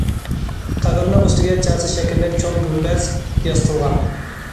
قەبرىنىڭ ئۈستىگە چاسا شەكىللىك چوڭ گۈمبەز ياسىتىلغان.